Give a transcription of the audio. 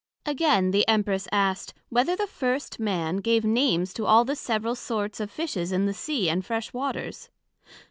Again, the Empress asked, Whether the first Man gave Names to all the several sorts of Fishes in the Sea, and fresh Waters?